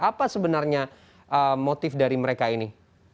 apa sebenarnya motif dari mereka ini